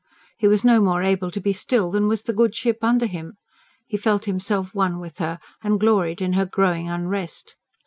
He was no more able to be still than was the good ship under him; he felt himself one with her, and gloried in her growing unrest.